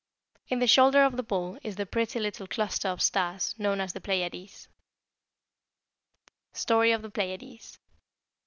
"In the shoulder of the bull is the pretty little cluster of stars known as the Pleiades." STORY OF THE PLEIADES.